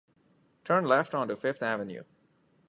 Turn left onto Fifth Avenue.